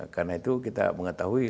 karena itu kita mengetahui